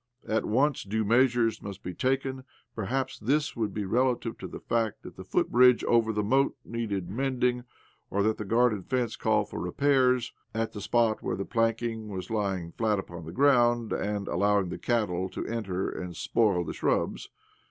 At once due measures must be taken. Perhaps this would be relative to the fact that the footbridge over the moat needed mending, or that the garden fence called for repairs at a spot where the planking was lying flat upon the ground and allowing the cattle to enter and spoil the shrubs